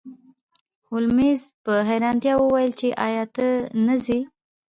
هولمز په حیرانتیا وویل چې ایا ته نه ځې